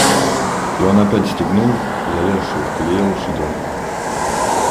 И он опять стегнул завязшую в колее лошаденку.